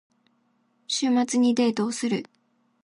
週末にデートをする。